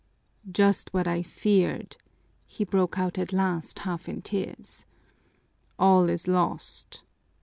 "Just what I feared," he broke out at last, half in tears. "All is lost!